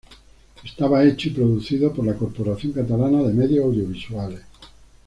Estaba hecho y producido por la Corporación Catalana de Medios Audiovisuales.